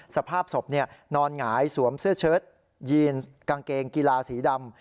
สภาพศพนอนหงายสวมเสื้อเชิดยีนกางเกงกีฬาสีดำ